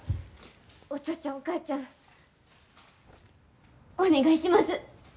お父ちゃん、お母ちゃんお願いします。